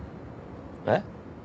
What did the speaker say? えっ？